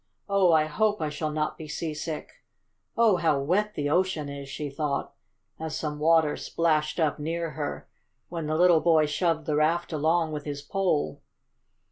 Oh, I hope I shall not be seasick! Oh, how wet the ocean is!" she thought, as some water splashed up near her, when the little boy shoved the raft along with his pole.